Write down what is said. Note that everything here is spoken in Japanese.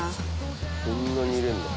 こんなに入れるんだ。